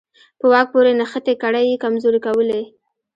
په واک پورې نښتې کړۍ یې کمزورې کولې.